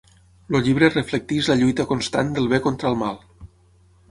El llibre reflecteix la lluita constant del bé contra el mal.